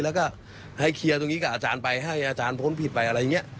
แล้วก็ให้เคลียร์ตรงนี้กับอาจารย์ไปให้อาจารย์พ้นผิดไปอะไรอย่างนี้